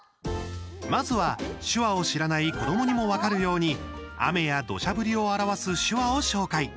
まずは手話を知らない子どもにも分かるように雨や土砂降りを表す手話を紹介。